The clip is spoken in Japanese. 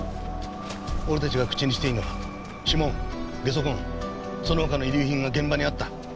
俺たちが口にしていいのは指紋ゲソコンその他の遺留品が現場にあったただそれだけだ。